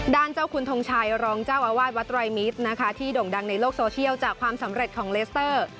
เจ้าคุณทงชัยรองเจ้าอาวาสวัดไรมิตรนะคะที่โด่งดังในโลกโซเชียลจากความสำเร็จของเลสเตอร์